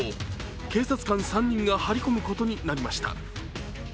警察官３人が張り込むことになりました。